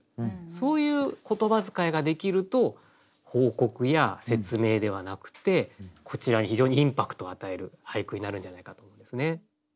そういう言葉遣いができると報告や説明ではなくてこちらに非常にインパクトを与える俳句になるんじゃないかと思うんですね。